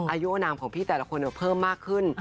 อายุอนามของพี่แต่ละคนเพิ่มมากขึ้น